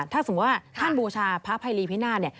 ถ้าสมมุติว่าท่านบูชาพระภัยรีพินาศเนี่ย